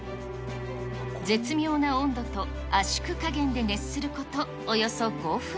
絶妙な温度と圧縮加減で熱すること、およそ５分。